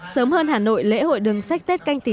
sớm hơn hà nội lễ hội đường sách tết canh tý hai nghìn hai mươi